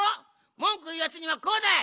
もんくいうやつにはこうだい！